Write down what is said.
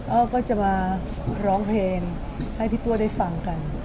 ก็จะมาร้องเพลงให้พี่ตัวได้ฟังกัน